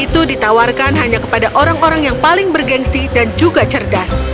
itu ditawarkan hanya kepada orang orang yang paling bergensi dan juga cerdas